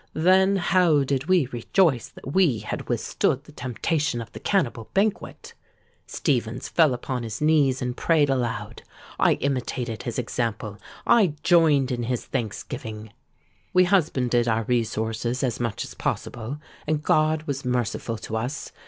Then how did we rejoice that we had withstood the temptation of the cannibal banquet! Stephens fell upon his knees and prayed aloud: I imitated his example—I joined in his thanksgiving. We husbanded our resources as much as possible; and God was merciful to us.